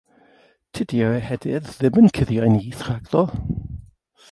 Tydi'r ehedydd ddim yn cuddio'u nyth rhagddo.